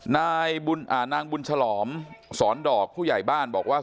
นางบุญฉลอมสอนดอกผู้ใหญ่บ้านบอกว่า